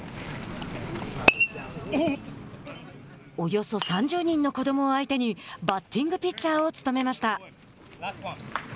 およそ３０人の子どもを相手にバッティングピッチャーを務めました。